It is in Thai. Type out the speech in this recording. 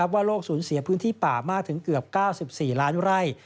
ว่าโลกสูญเสียพื้นที่ป่ามากถึงเกือบ๙๔ล้านไร่